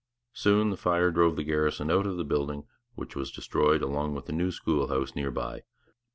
Soon the fire drove the garrison out of the building, which was destroyed along with the new school house near by.